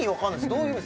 どういう意味？